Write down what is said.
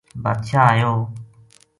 بادشاہ ایو